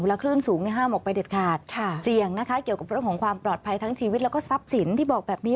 คลื่นสูงห้ามออกไปเด็ดขาดเสี่ยงนะคะเกี่ยวกับเรื่องของความปลอดภัยทั้งชีวิตแล้วก็ทรัพย์สินที่บอกแบบนี้